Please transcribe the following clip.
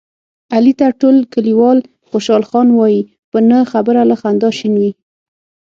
علي ته ټول کلیوال خوشحال خان وایي، په نه خبره له خندا شین وي.